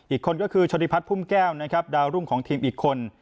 อีกคนก็คือชริพัฒน์พุ่มแก้วนะครับดาวรุ่งของทีมอีกคน